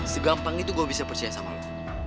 segampang itu gue bisa percaya sama lo